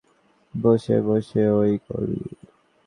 বসে বসে ঐ করি।